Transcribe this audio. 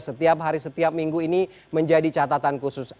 setiap hari setiap minggu ini menjadi catatan khusus